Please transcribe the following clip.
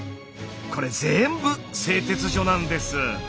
これぜんぶ製鉄所なんです。